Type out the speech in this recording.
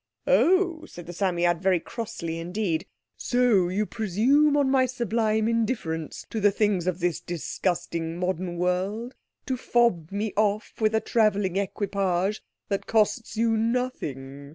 "Oh," said the Psammead very crossly indeed, "so you presume on my sublime indifference to the things of this disgusting modern world, to fob me off with a travelling equipage that costs you nothing.